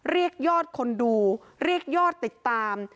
เรียกยอดคนดูเรียกยอดติดตาม